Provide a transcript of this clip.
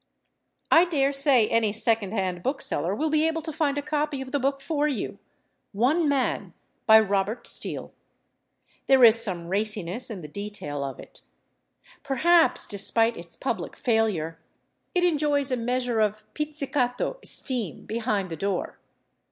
I daresay any second hand bookseller will be able to find a copy of the book for you: "One Man," by Robert Steele. There is some raciness in the detail of it. Perhaps, despite its public failure, it enjoys a measure of pizzicato esteem behind the door.